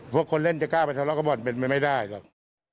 คนเล่นจะกล้าไปทะเลาะกับบ่อนเป็นไปไม่ได้หรอก